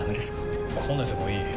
こねてもいい。